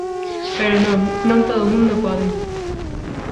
Pero non, non todo o mundo pode.